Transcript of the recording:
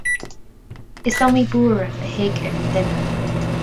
Is iomaí buaireamh a thig ar an duine.